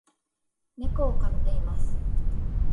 猫を飼っています